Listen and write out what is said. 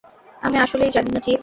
আমি আসলেই জানি না, চিফ।